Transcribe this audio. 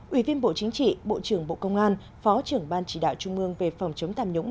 ủy viên bộ chính trị bộ trưởng bộ công an phó trưởng ban chỉ đạo trung ương về phòng chống tham nhũng